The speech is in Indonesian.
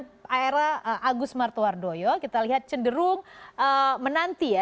di era agus martowardoyo kita lihat cenderung menanti ya